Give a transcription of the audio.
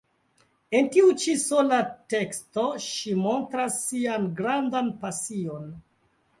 En tiu ĉi sola teksto ŝi montras sian grandan pasion!